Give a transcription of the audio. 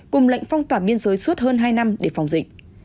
cùng lệnh phong tỏa biên giới suốt hơn hai năm để phòng dịch